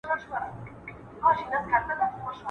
پخواني خلک په ډبرو کې اوړه مینځل.